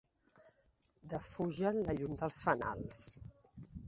Defugen la llum dels fanals.